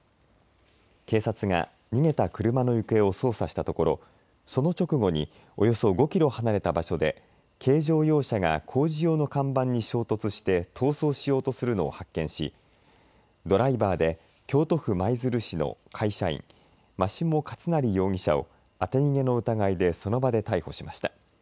警察が逃げた車の行方を捜査したところその直後におよそ５キロ離れた場所で軽乗用車が工事用の看板に衝突して逃走しようとするのを発見しドライバーで京都府舞鶴市の会社員眞下勝成容疑者を当て逃げの疑いでその場で逮捕しました。